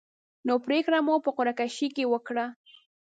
نو پرېکړه مو په قره کشۍ وکړه.